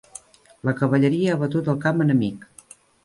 La cavalleria ha batut el camp enemic.